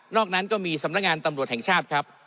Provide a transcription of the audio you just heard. นั้นก็มีสำนักงานตำรวจแห่งชาติครับ